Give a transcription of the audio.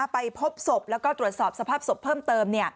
ไปพบศพแล้วก็ตรวจสอบสภาพศพเพิ่มเติม